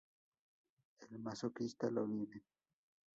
El masoquista lo vive p.ej.